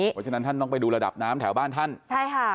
เพราะฉะนั้นท่านต้องไปดูระดับน้ำแถวบ้านท่านใช่ค่ะ